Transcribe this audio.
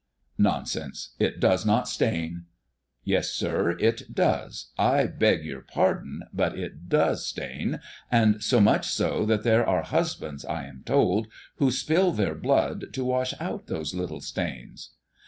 "Nonsense! It does not stain." "Yes, sir, it does; I beg your pardon, but it does stain, and so much so that there are husbands, I am told, who spill their blood to wash out those little stains."